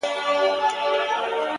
• نه یې زور نه یې منګول د چا لیدلی ,